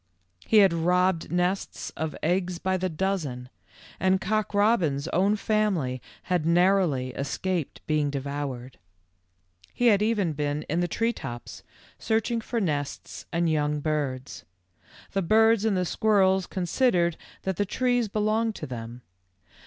He had robbed nests of eggs by the dozen, and Cock robin's own family had narrowly escaped being devoured. THE END OF BLACK LIGHTNING. 83 He had even been in the tree tops, search ing for nests and young birds. The birds and the squirrels considered that the trees belonged to them.